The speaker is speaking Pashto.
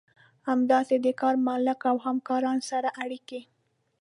همداسې د کار مالک او همکارانو سره اړيکې.